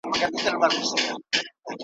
او ارواښاد سلیمان لایق یې ,